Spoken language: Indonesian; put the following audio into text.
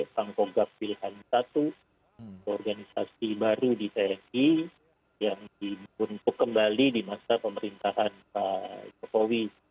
pangkogap pilihan satu organisasi baru di tni yang untuk kembali di masa pemerintahan pak jokowi